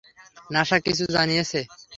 NASA কিছু জানিয়েছে?